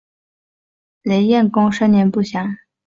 雷彦恭生年不详。